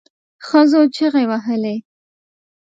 ښځو چیغې وهلې.